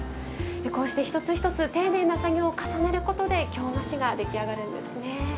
こうして一つ一つ丁寧な作業を重ねることで京菓子が出来上がるんですね。